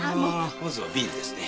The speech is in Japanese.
まずはビールですね。